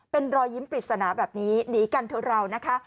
เป็นรอยยิ้มปริศนาแบบนี้หนีกันเถอะเรานะคะ